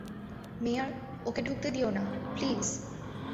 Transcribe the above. মেয়ার, ওকে ঢুকতে দিও না, প্লিজ।